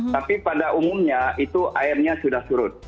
tapi pada umumnya itu airnya sudah surut